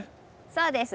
そうです。